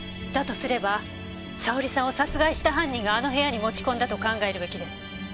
だとすれば沙織さんを殺害した犯人があの部屋に持ち込んだと考えるべきです。